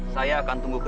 saya akan tunggu ke dalam